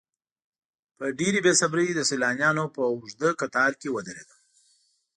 په ډېرې بې صبرۍ د سیلانیانو په اوږده کتار کې ودرېدم.